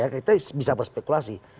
kita bisa berspekulasi